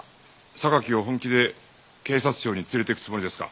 榊を本気で警察庁に連れて行くつもりですか？